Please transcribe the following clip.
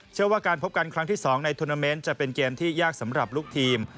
เชื่อว่าการพบกันครั้งที่๒ในทุนาเมนต์จะเป็นเกมที่ยากสำหรับลูกทีม